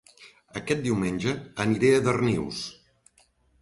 Aquest diumenge aniré a Darnius